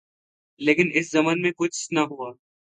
لیکن اس ضمن میں کچھ نہ ہوا